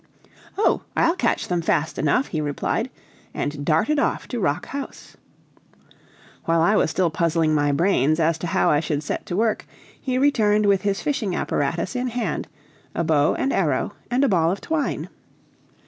"Oh! I'll catch them fast enough," he replied, and darted off to Rock House. While I was still puzzling my brains as to how I should set to work, he returned with his fishing apparatus in hand; a bow and arrow, and a ball of twine.